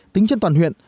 tính trên toàn huyện